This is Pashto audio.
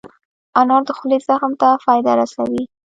انار د خولې زخم ته فایده رسوي.